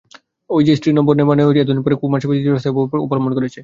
ঐ-যে স্ত্রীসভ্য নেবার নিয়ম হয়েছে, এতদিন পরে কুমারসভা চিরস্থায়ী হবার উপায় অবলম্বন করেছে।